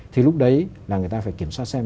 thì lúc đấy là người ta phải kiểm soát xem